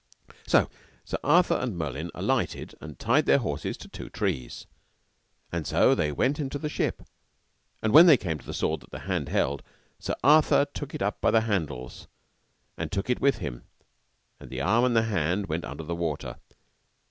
So Sir Arthur and Merlin alighted and tied their horses to two trees, and so they went into the ship, and when they came to the sword that the hand held, Sir Arthur took it up by the handles, and took it with him, and the arm and the hand went under the water.